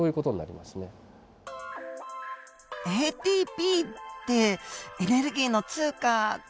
ＡＴＰってエネルギーの通貨でしたよね。